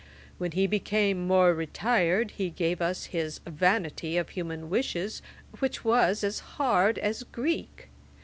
When he became more retired, he gave us his Vanity of Human Wishes, which is as hard as Greek.